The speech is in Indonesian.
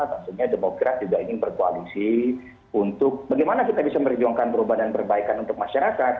maksudnya demokrat juga ingin berkoalisi untuk bagaimana kita bisa berjuangkan perubahan dan perbaikan untuk masyarakat